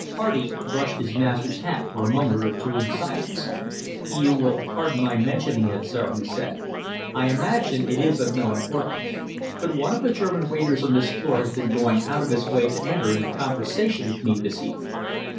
Hardy brushed his master's hat for a moment or two in silence. "You will pardon my mentioning it, sir," he said "I imagine it is of no importance but one of the German waiters on this floor has been going out of his way to enter into conversation with me this evening.